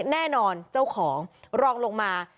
แน่นอนเจ้าของรองลงมา